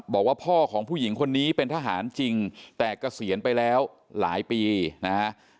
บอกว่าพ่อของผู้หญิงคนนี้เป็นทหารจริงแต่เกษียณไปแล้วหลายปีนะฮะ